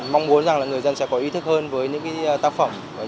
mong muốn rằng là người dân sẽ có ý thức hơn với những tác phẩm